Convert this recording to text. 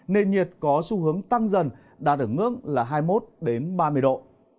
nên nhiệt có xu hướng tăng dần đạt ở ngưỡng là hai mươi một đến ba mươi độ